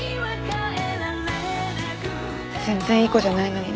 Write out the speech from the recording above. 全然いい子じゃないのにね。